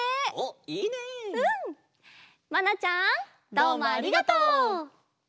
どうもありがとう！